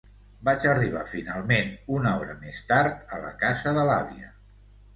Vaig arribar finalment una hora més tard a la casa de l'àvia.